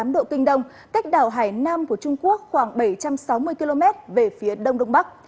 một trăm một mươi bảy tám độ kinh đông cách đảo hải nam của trung quốc khoảng bảy trăm sáu mươi km về phía đông đông bắc